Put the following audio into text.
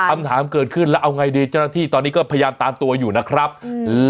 คำถามเกิดขึ้นแล้วเอาไงดีเจ้าหน้าที่ตอนนี้ก็พยายามตามตัวอยู่นะครับอืม